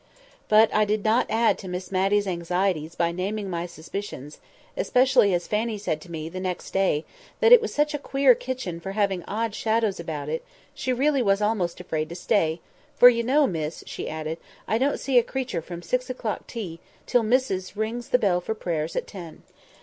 But I did not add to Miss Matty's anxieties by naming my suspicions, especially as Fanny said to me, the next day, that it was such a queer kitchen for having odd shadows about it, she really was almost afraid to stay; "for you know, miss," she added, "I don't see a creature from six o'clock tea, till Missus rings the bell for prayers at ten."